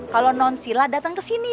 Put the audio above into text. kalo non silla datang kesini ya